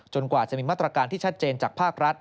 กว่าจะมีมาตรการที่ชัดเจนจากภาครัฐ